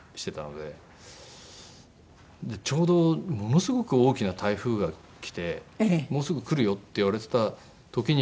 でちょうどものすごく大きな台風が来てもうすぐ来るよって言われてた時に。